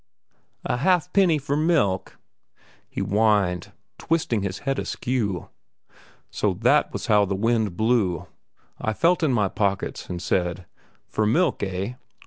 "A halfpenny for milk!" he whined, twisting his head askew. So that was how the wind blew. I felt in my pockets and said: "For milk, eh?